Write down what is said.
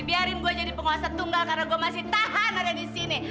biarin gue jadi penguasa tunggal karena gue masih tahan ada di sini